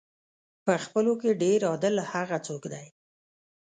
په خپلو کې ډېر عادل هغه څوک دی.